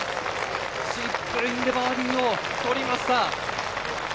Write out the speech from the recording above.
チップインでバーディーを取りました。